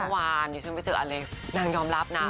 เมื่อวานนี้ฉันไปเจออเล็กซ์นางยอมรับนะ